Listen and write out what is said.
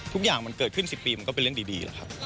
ทุกอย่างมันเกิดขึ้น๑๐ปีมันก็เป็นเรื่องดีแหละครับ